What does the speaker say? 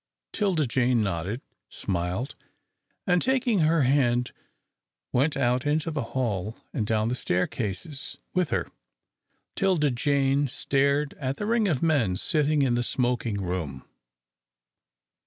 'Tilda Jane nodded, smiled, and, taking her hand, went out into the hall and down the staircases with her. 'Tilda Jane stared at the ring of men sitting in the smoking room.